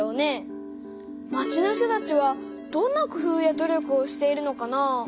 まちの人たちはどんな工夫や努力をしているのかな？